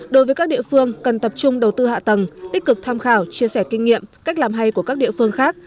đối với các địa phương cần tập trung đầu tư hạ tầng tích cực tham khảo chia sẻ kinh nghiệm cách làm hay của các địa phương khác